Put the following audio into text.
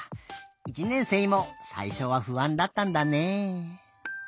１年生もさいしょはふあんだったんだね。